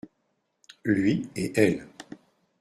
Lui et elle.